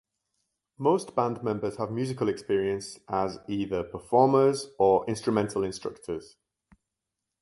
Most band members have musical experience as either performers or instrumental instructors.